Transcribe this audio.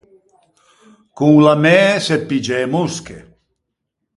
Con l’amê se piggia e mosche.